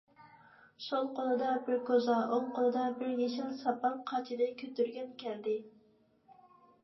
سول قولىدا بىر كوزا، ئوڭ قولىدا بىر يېشىل ساپال قاچىنى كۆتۈرگەن كەلدى.